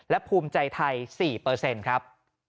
และภูมิใจไทย๔ครับ